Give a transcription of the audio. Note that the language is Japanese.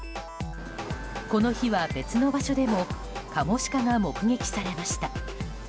この日は別の場所でもカモシカが目撃されました。